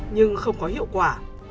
nhưng không có hiệu quả